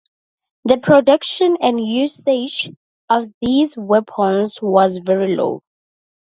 The production and usage of these weapons was very low.